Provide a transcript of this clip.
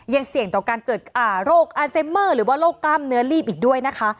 ยังเสี่ยงต่อการเกิดโรคอาเซเมอร์หรือว่าโรคกล้ามเนื้อลีบอีกด้วยนะคะ